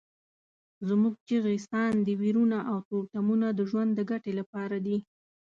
زموږ چیغې، ساندې، ویرونه او تورتمونه د ژوند د ګټې لپاره دي.